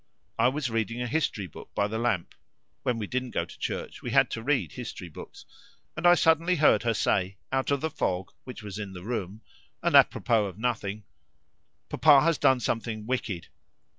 I was reading a history book by the lamp when we didn't go to church we had to read history books and I suddenly heard her say, out of the fog, which was in the room, and apropos of nothing: 'Papa has done something wicked.'